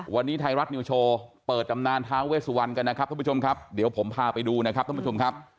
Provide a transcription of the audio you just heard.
วันนี้ไทยรัฐนิวโชว์เปิดตำนานท้าเวสวันกันนะครับท่านผู้ชมครับเดี๋ยวผมพาไปดูนะครับท่านผู้ชมครับ